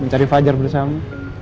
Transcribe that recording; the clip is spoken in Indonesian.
mencari fajar bersama